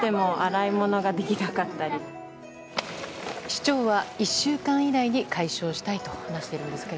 市長は、１週間以内に解消したいと話しているんですが。